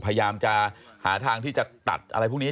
พยายามจะหาทางที่จะตัดอะไรพวกนี้